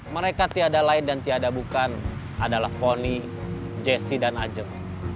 mereka tiada lain dan tiada bukan adalah foni jesse dan ajeng